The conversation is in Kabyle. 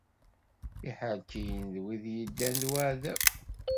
Iḥerkiyen d wid yeddan d weɛdaw.